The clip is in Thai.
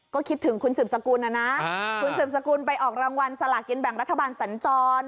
ก็คิดถึงคุณสืบสกุลนะนะคุณสืบสกุลไปออกรางวัลสลากินแบ่งรัฐบาลสัญจร